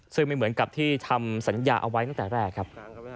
ซึ่งไม่เหมือนกับที่ทำสัญญาเอาไว้ตั้งแต่แรกครับ